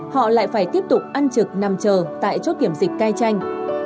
họ lại phải tiếp tục ăn trực nằm chờ tại chốt kiểm dịch cai chanh